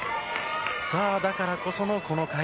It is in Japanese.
だからこその、この回。